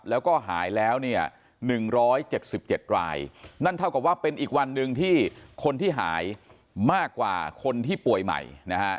แล้วก็หายแล้วเนี่ย๑๗๗รายนั่นเท่ากับว่าเป็นอีกวันหนึ่งที่คนที่หายมากกว่าคนที่ป่วยใหม่นะฮะ